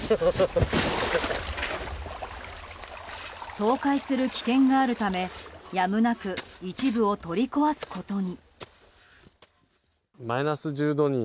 倒壊する危険があるためやむなく一部を取り壊すことに。